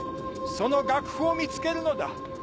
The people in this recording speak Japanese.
その楽譜を見つけるのだ！